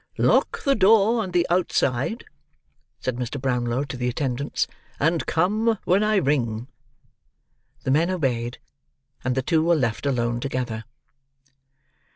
"Lock the door on the outside," said Mr. Brownlow to the attendants, "and come when I ring." The men obeyed, and the two were left alone together.